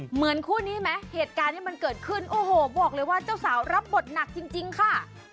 เหมือนคู่นี้ไหมเหตุการณ์ที่มันเกิดขึ้นโอ้โหบอกเลยว่าเจ้าสาวรับบทหนักจริงค่ะ